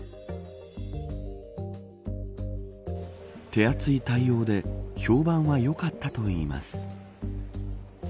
手厚い対応で評判はよかったといいます。